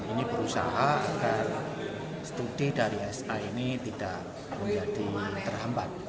ini berusaha agar studi dari sa ini tidak menjadi terhambat